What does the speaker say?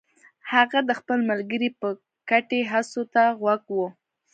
هغه د خپل ملګري بې ګټې هڅو ته غوږ و